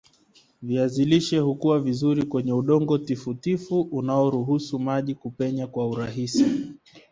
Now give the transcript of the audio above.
viazi lishe hukua vizuri kwenye udongo tifutifu unaoruhusu maji kupenya kwa urahisi